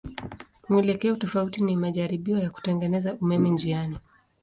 Mwelekeo tofauti ni majaribio ya kutengeneza umeme njiani.